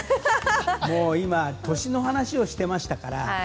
もう今、年の話をしてましたから。